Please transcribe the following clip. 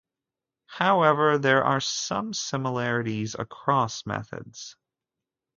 However, there are some similarities across methods.